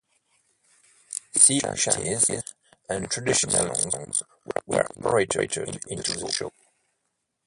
Sea shanties and traditional songs were incorporated into the show.